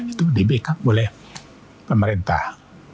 itu dibekang oleh pemerintah